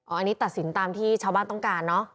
อันนี้ตัดสินตามที่ชาวบ้านต้องการเนอะ